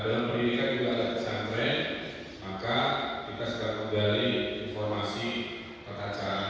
nah dalam perlindungan juga ada pesantren maka kita segera membeli informasi petacaran